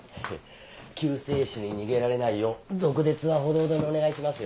救世主に逃げられないよう毒舌はほどほどにお願いしますよ。